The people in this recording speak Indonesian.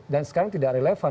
dan sekarang tidak relevan